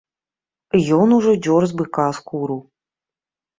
Ён ужо дзёр з быка скуру.